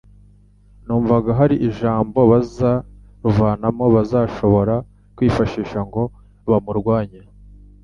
bumvaga hari ijambo bazaruvanamo bazashobora kwifashisha ngo bamurwanye.